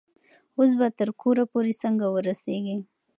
اوس به تر کوره پورې څنګه ورسیږي؟